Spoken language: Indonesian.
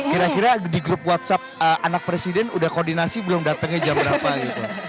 kira kira di grup whatsapp anak presiden udah koordinasi belum datangnya jam berapa gitu